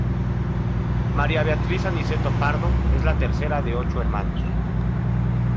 María Beatriz Aniceto Pardo es la tercera de ocho hermanos.